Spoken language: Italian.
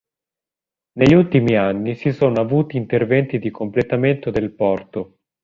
Negli ultimi anni si sono avuti interventi di completamento del porto.